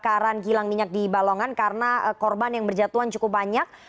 kebakaran kilang minyak di balongan karena korban yang berjatuhan cukup banyak